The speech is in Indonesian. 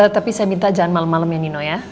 tapi saya minta jangan malem malem ya nino ya